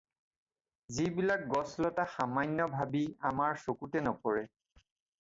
যিবিলাক গছ লতা সামান্য ভাবি আমাৰ চকুতে নপৰে